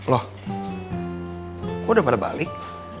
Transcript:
loh kok udah pada balik